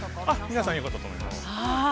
◆皆さんよかったと思います。